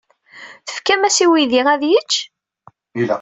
Tefkam-as i uydi ad yečč?